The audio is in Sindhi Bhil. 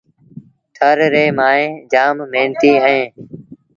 ٿر ريٚݩ مائيٚݩ جآم مهنتيٚ اهيݩ